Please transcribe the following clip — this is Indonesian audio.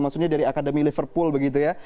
maksudnya dari akademi liverpool begitu ya